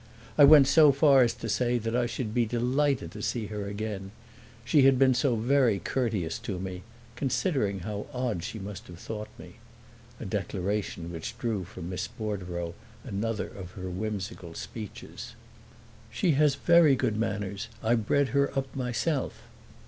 I went so far as to say that I should be delighted to see her again: she had been so very courteous to me, considering how odd she must have thought me a declaration which drew from Miss Bordereau another of her whimsical speeches. "She has very good manners; I bred her up myself!"